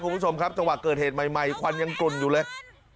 คุณผู้ชมครับจังหวะเกิดเหตุใหม่ควันยังกลุ่นอยู่เลย